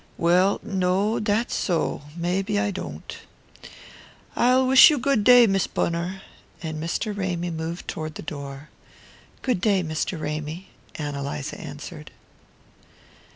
"Well, no, that's so; maybe I don't. I'll wish you good day, Miss Bunner"; and Mr. Ramy moved toward the door. "Good day, Mr. Ramy," Ann Eliza answered.